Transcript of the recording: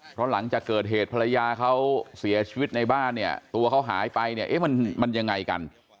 เพราะหลังจากเกิดเหตุภรรยาเขาเสียชีวิตในบ้านเนี่ยตัวเขาหายไปเนี่ยเอ๊ะมันยังไงกัน